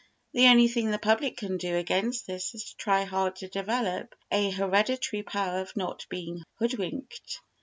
The only thing the public can do against this is to try hard to develop a hereditary power of not being hoodwinked.